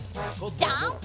ジャンプ！